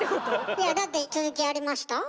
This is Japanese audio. いやだって続きありました？